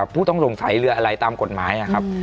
ผู้ต้องสงสัยเรืออะไรตามกฎหมาย